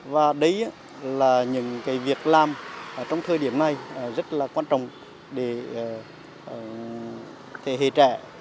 và đấy là những việc làm trong thời điểm này rất là quan trọng để thế hệ trẻ